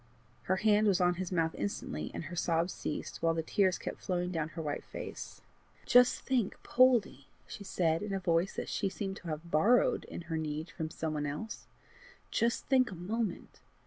Her hand was on his mouth instantly, and her sobs ceased, while the tears kept flowing down her white face. "Just think, Poldie," she said, in a voice which she seemed to have borrowed in her need from some one else, " just think a moment!